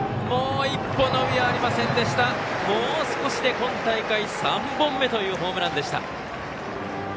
もう少しで今大会３本目というホームランでした。